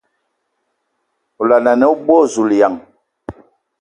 O laŋanǝ o boo ! Zulǝyaŋ!